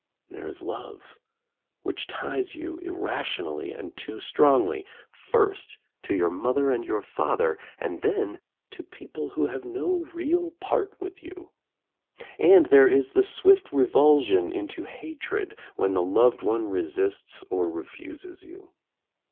There is love, which ties you irrationally and too strongly first to your mother and your father, and then to people who have no real part with you. And there is the swift revulsion into hatred, when the loved one resists or refuses you.